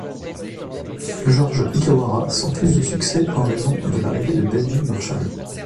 George Illawarra sans plus de succès en raison de l'arrivée de Benji Marshall.